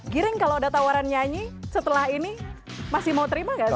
giring kalau ada tawaran nyanyi setelah ini masih mau terima gak sih